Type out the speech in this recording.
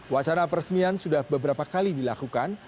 wacana peresmian sudah beberapa kali dilakukan